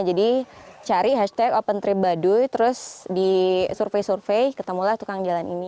jadi cari hashtag open trip baduy terus di survei survei ketemulah tukang jalan ini